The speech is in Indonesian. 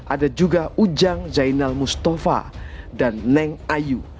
ada juga ujang zainal mustafa dan neng ayu